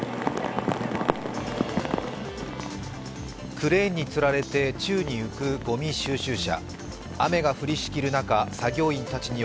クレーンにつられて宙に浮くごみ収集車。